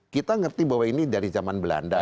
kita ngerti bahwa ini dari zaman belanda